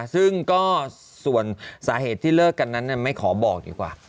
ซึ่งก็ส่วนสาเหตุที่เลิกกันนั้นไม่ขอบอกดีกว่า